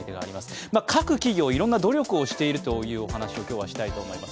各企業、どんな努力をしているかお話ししたいと思います。